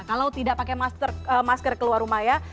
kalau tidak pakai masker keluar rumah ya